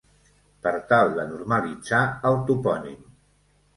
Per tal de normalitzar el topònim.